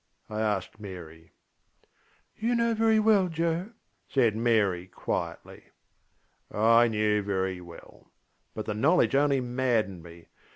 ŌĆÖ I asked Mary. ŌĆśYou know very well, Joe, ŌĆÖ said Mary quietly. (I knew very well, but the knowledge only maddened me.